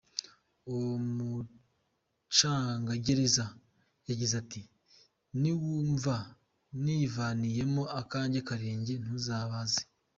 Uwo mucungagereza yagize ati “Niwumva nivaniyemo akanjye karenge ntuzabaze!